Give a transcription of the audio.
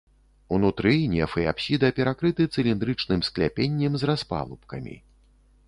Унутры неф і апсіда перакрыты цыліндрычным скляпеннем з распалубкамі.